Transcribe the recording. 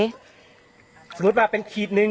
สมมุติว่าเป็นขีดหนึ่ง